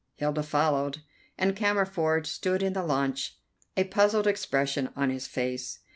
Hilda followed, and Cammerford stood in the launch, a puzzled expression on his face.